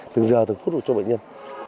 từ giờ từ phút đủ cho bệnh nhân